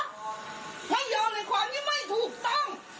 ให้ยอดในความยิ่งไม่ถูกต้อง